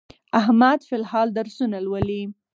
احمد فل الحال درسونه لولي.